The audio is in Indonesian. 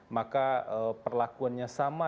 maka perlakuannya sama